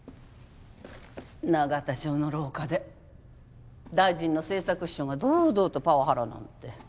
永田町の廊下で大臣の政策秘書が堂々とパワハラなんて。